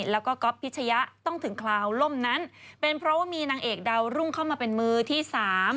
แล้วก็ก๊อฟพิชยะต้องถึงคราวล่มนั้นเป็นเพราะว่ามีนางเอกดาวรุ่งเข้ามาเป็นมือที่สาม